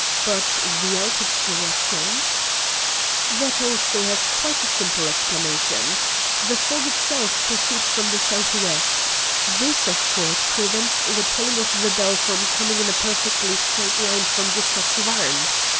"But the altered direction?" "That also has quite a simple explanation. The fog itself proceeds from the south west. This, of course, prevents the tolling of the bell from coming in a perfectly straight line from Gustavsvarn.